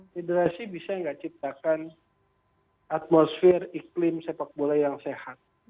federasi bisa nggak ciptakan atmosfer iklim sepakbola yang sehat